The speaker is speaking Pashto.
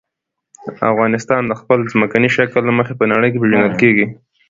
افغانستان د خپل ځمکني شکل له مخې په نړۍ کې پېژندل کېږي.